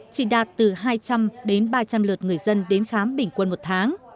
chỉ đạt từ hai trăm linh đến ba trăm linh lượt người dân đến khám bình quân một tháng